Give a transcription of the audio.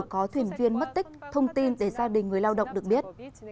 có thuyền viên mất tích thông tin để gia đình người lao động được biết